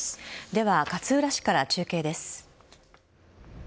では、勝浦市から中継です。